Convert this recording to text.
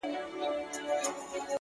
هغه مي سايلينټ سوي زړه ته،